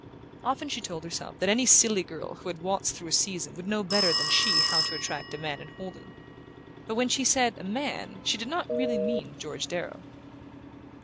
Often she told herself that any silly girl who had waltzed through a season would know better than she how to attract a man and hold him; but when she said "a man" she did not really mean George Darrow.